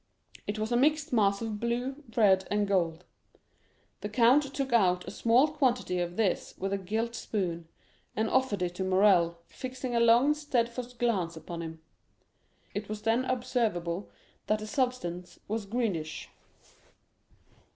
It was a mixed mass of blue, red, and gold. The count took out a small quantity of this with a gilt spoon, and offered it to Morrel, fixing a long steadfast glance upon him. It was then observable that the substance was greenish.